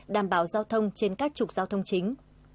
đảm bảo giao thông trên các trục giao thông chính